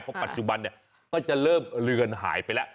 เพราะปัจจุบันเนี่ยก็จะเริ่มเลือนหายไปแล้ว